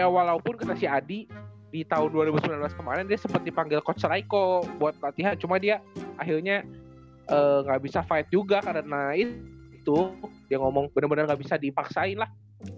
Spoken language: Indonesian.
walaupun kita si adi di tahun dua ribu sembilan belas kemarin dia sempat dipanggil coach raico buat latihan cuma dia akhirnya nggak bisa fight juga karena naik itu dia ngomong benar benar gak bisa dipaksain lah